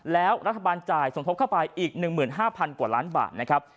แล้วรัฐบาลจ่ายสมทบเข้าไปอีก๑๕๐๐กว่าล้านบาทนะครับ